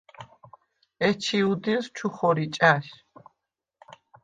ეჩი̄ უდილს ჩუ ხორი ჭა̈შ.